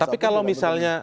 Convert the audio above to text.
tapi kalau misalnya